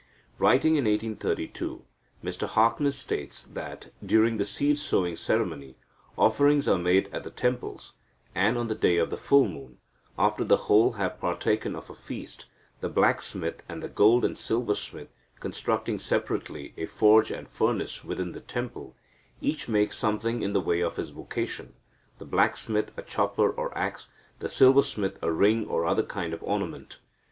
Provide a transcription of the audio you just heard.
Writing in 1832, Mr Harkness states that, during the seed sowing ceremony, "offerings are made at the temples, and, on the day of the full moon, after the whole have partaken of a feast, the blacksmith, and the gold and silversmith, constructing separately a forge and furnace within the temple, each makes something in the way of his vocation, the blacksmith a chopper or axe, the silversmith a ring or other kind of ornament."